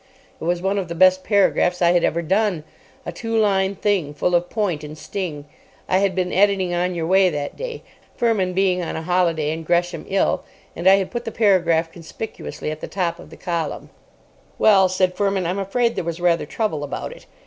It was one of the best paragraphs I had ever done. A two line thing, full of point and sting. I had been editing "On Your Way" that day, Fermin being on a holiday and Gresham ill; and I had put the paragraph conspicuously at the top of the column. "Well," said Fermin, "I'm afraid there was rather trouble about it.